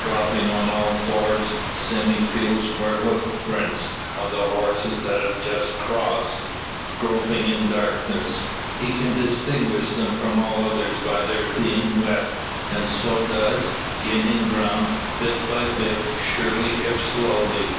Dropping on all fours, Sime feels for hoof prints of the horses that have just crossed, groping in darkness. He can distinguish them from all others by their being wet. And so does, gaining ground, bit by bit, surely if slowly.